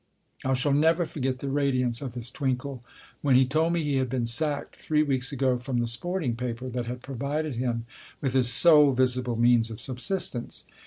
I shall never forget the radiance of his twinkle when he told me he had been sacked three weeks ago from the sporting paper that had provided him with his sole visible means of subsistence.